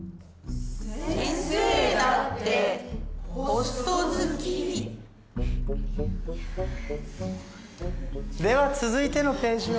「先生だってホスト好き」では続いてのページを。